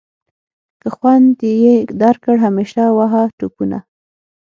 که خوند یې درکړ همیشه وهه ټوپونه.